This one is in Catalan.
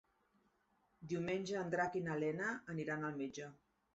Diumenge en Drac i na Lena aniran al metge.